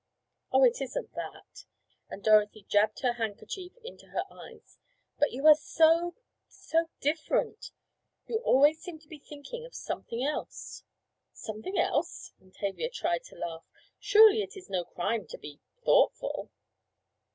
"Oh, it isn't that," and Dorothy jabbed her handkerchief into her eyes, "but you are so—so different. You always seem to be thinking of something else." "Something else!" and Tavia tried to laugh. "Surely it is no crime to be—thoughtful?"